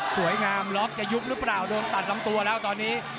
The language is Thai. ล็อกจะยุบหรือเปล่าโดนตัดลำตัวแล้วตอนนี้